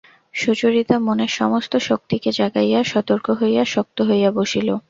সুচরিতা মনের সমস্ত শক্তিকে জাগাইয়া সতর্ক হইয়া শক্ত হইয়া বসিল।